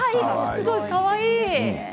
すごいかわいい。